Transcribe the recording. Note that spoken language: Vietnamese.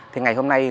thì ngày hôm nay